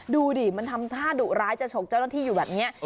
ดูดิมันทำท่าดุร้ายจะฉกเจ้าหน้าที่อยู่แบบนี้